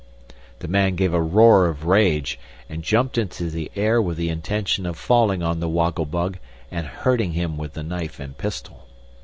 The man gave a roar of rage and jumped into the air with the intention of falling on the Woggle Bug and hurting him with the knife and pistol.